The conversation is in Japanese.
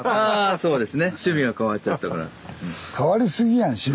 そうですね。